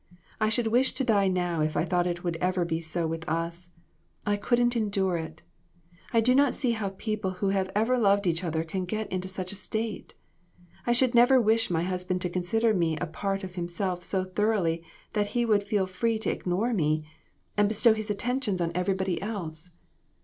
I should wish to die. now if I thought it would ever be so with us. I couldn't endure it. I do not see how two people who have ever loved each other can get into such a state. I should never wish my husband to consider me a part of himself so thoroughly, that he would feel free to ignore me, and bestow his attentions on every 1^6 LESSONS. body else.